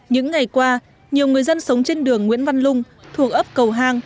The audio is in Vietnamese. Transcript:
những ngày qua nhiều người dân sống trên đường nguyễn văn lung thuộc ấp cầu hang